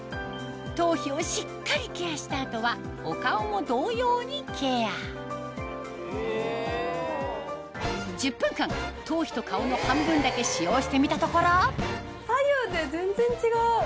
頭皮をしっかりケアした後はお顔も同様にケア１０分間頭皮と顔の半分だけ使用してみたところ左右で全然違う！